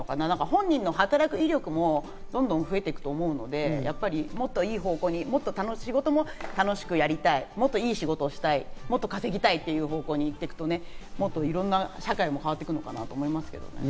本人の働く意欲も増えていくと思うので、もっと良い方向に仕事も楽しくやりたい、もっといい仕事をしたい、もっと稼ぎたいという方向に行くとね、社会も変わっていくのかなと思いますけどね。